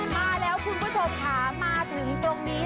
มาแล้วคุณผู้ชมค่ะมาถึงตรงนี้